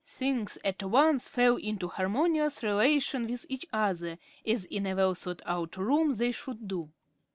Things at once fell into harmonious relation with each other, as in a well thought out room they should do.